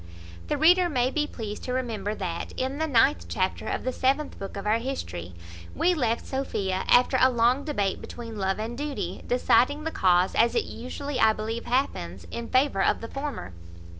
The reader may be pleased to remember that, in the ninth chapter of the seventh book of our history, we left Sophia, after a long debate between love and duty, deciding the cause, as it usually, I believe, happens, in favour of the former.